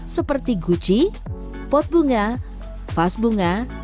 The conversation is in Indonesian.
seperti guci pot bunga vas bunga